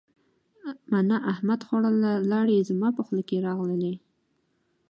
مڼه احمد خوړله لیاړې زما په خوله کې راغللې.